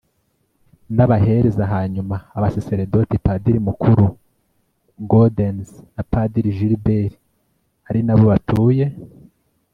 n'abahereza hanyuma abasaserdoti padiri mukuru gaudens na padiri gilbert ari nabo batuye